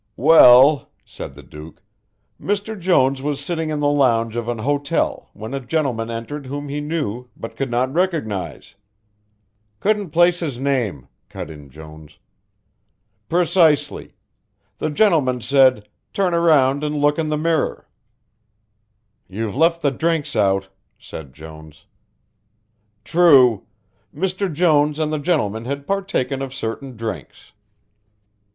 "Well," said the Duke. "Mr. Jones was sitting in the lounge of an hotel when a gentleman entered whom he knew but could not recognize." "Couldn't place his name," cut in Jones. "Precisely. The gentleman said 'turn round and look in that mirror' " "You've left the drinks out," said Jones. "True. Mr. Jones and the gentleman had partaken of certain drinks."